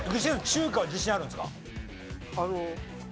中華は自信あるんですか？